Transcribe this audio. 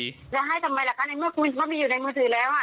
แล้วให้ทำไมล่ะคะในเมื่อคุยว่ามีอยู่ในมือถือแล้วอ่ะ